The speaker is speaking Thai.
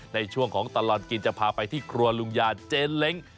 ในช่วงของตลอดกินจะพาไปที่ครัวลุงยาเจนเล้ง